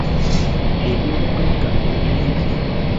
Ebyobugagga ebingi.